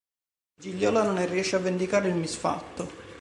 Gigliola non ne riesce a vendicare il misfatto.